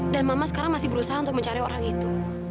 dan mama sekarang masih berusaha untuk mencari orang itu